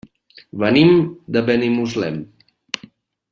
Venim de Benimuslem.